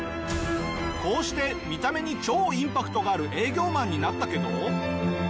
こうして見た目に超インパクトがある営業マンになったけど。